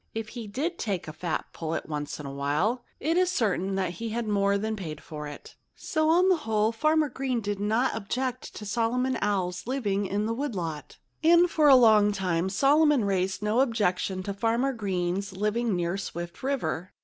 If he did take a fat pullet once in a while, it is certain that he more than paid for it. So, on the whole, Farmer Green did not wood lot. And for a long time Solomon raised no objection to Farmer Green's living near Swift River.